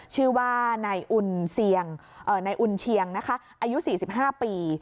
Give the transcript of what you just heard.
ชื่อว่านายอุ่นเชียงอายุ๔๕ปี